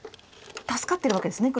助かってるわけですね